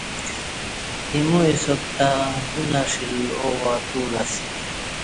ایمو حساب تہ نو نݜیل او اتُولہ اسی۔